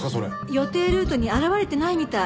予定ルートに現れてないみたい。